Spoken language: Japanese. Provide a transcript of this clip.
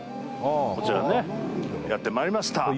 こちらにやってまいりました